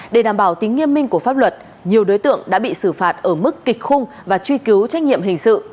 để đảm bảo tính nghiêm minh của pháp luật nhiều đối tượng đã bị xử phạt ở mức kịch khung và truy cứu trách nhiệm hình sự